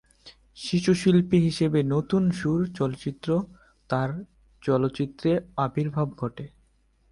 শিশুশিল্পী হিসেবে "নতুন সুর" চলচ্চিত্রে তার চলচ্চিত্রে আবির্ভাব ঘটে।